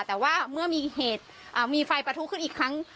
แต่ว่าเมื่อมีเหตุมีไฟประทุขึ้นอีกครั้ง